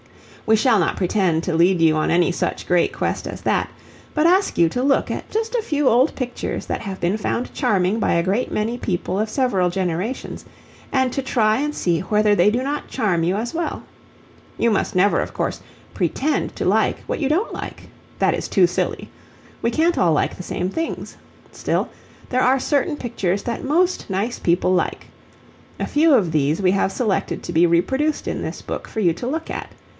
We shall not pretend to lead you on any such great quest as that, but ask you to look at just a few old pictures that have been found charming by a great many people of several generations, and to try and see whether they do not charm you as well. You must never, of course, pretend to like what you don't like that is too silly. We can't all like the same things. Still there are certain pictures that most nice people like. A few of these we have selected to be reproduced in this book for you to look at.